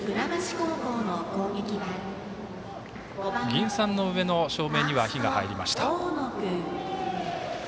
銀傘の上の照明には灯が入りました。